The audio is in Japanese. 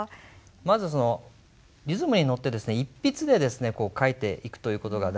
まずリズムに乗って一筆で書いていくという事が大事なんですね。